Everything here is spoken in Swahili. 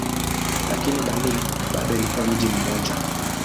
Lakini Berlin bado ilikuwa mji mmoja.